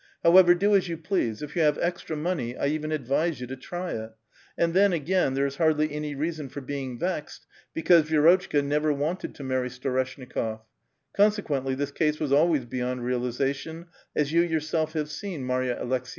However, do as you please ; if you have extra money, I even advise yon to try it ; and, then, again there is hardly any reason for being vexed, because Vi6rotclika never wanted to marry Storeshnikof ; consequently, this case was always beyond realization, as you yourself have seen, Marya Aleks